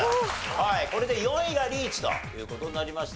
これで４位がリーチという事になりました。